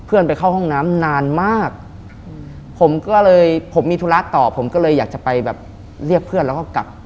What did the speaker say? ไปเข้าห้องน้ำนานมากผมก็เลยผมมีธุระต่อผมก็เลยอยากจะไปแบบเรียกเพื่อนแล้วก็กลับ